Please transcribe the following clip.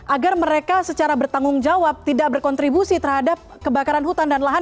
agar mereka secara bertanggung jawab tidak berkontribusi terhadap kebakaran hutan dan lahan